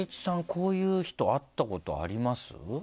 こういう人会ったことあります？